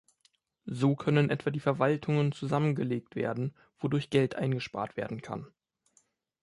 So können etwa die Verwaltungen zusammengelegt werden, wodurch Geld eingespart werden kann.